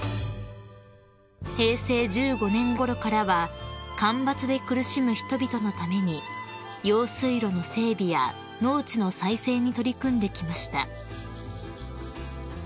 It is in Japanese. ［平成１５年ごろからは干ばつで苦しむ人々のために用水路の整備や農地の再生に取り組んできました］